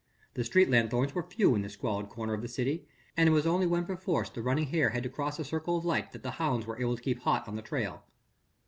The street lanthorns were few in this squalid corner of the city, and it was only when perforce the running hare had to cross a circle of light that the hounds were able to keep hot on the trail.